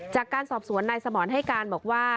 จากการสอบสวนนายสมรให้การบอกว่า